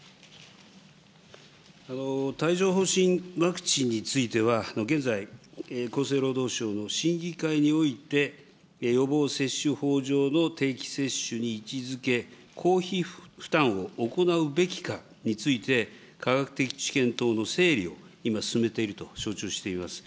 帯状ほう疹ワクチンについては、現在、厚生労働省の審議会において、予防接種法上の定期接種に位置づけ、公費負担を行うべきかについて、科学的知見等の整理を今、進めていると承知をしております。